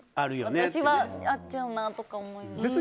私はやっちゃうなと思います。